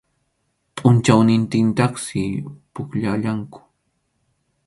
Pʼunchawnintintaqsi pukllallanku.